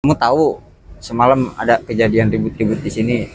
kamu tahu semalam ada kejadian ribut ribut di sini